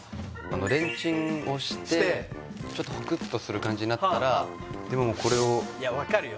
レンチンをしてちょっとほくっとする感じになったらもうこれを分かるよ